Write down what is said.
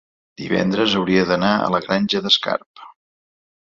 divendres hauria d'anar a la Granja d'Escarp.